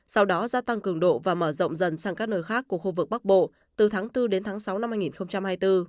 sau đó gia tăng cường độ và mở rộng dần sang các nơi khác của khu vực bắc bộ từ tháng bốn đến tháng sáu năm hai nghìn hai mươi bốn